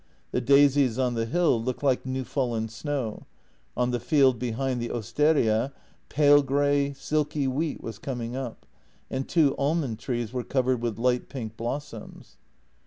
The daisies on the hill looked like new fallen snow; on the field behind the osteria pale grey, silky wheat was coming up, and two almond trees were covered with light pink blossoms.